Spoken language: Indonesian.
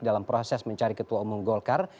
dalam proses mencari ketua umum golkar